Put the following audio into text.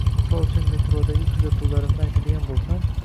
Misol uchun, metrodagi kuzatuvlarimni aytadigan boʻlsam